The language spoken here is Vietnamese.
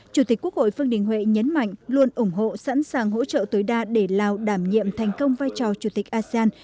chủ tịch quốc hội vương đình huệ nhấn mạnh luôn ủng hộ sẵn sàng hỗ trợ tối đa để lào đảm nhiệm thành công vai trò chủ tịch asean